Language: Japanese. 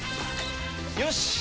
よし！